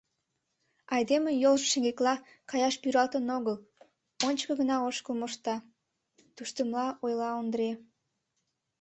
— Айдемын йолжо шеҥгекла каяш пӱралтын огыл — ончыко гына ошкыл мошта, туштымыла ойла Ондре.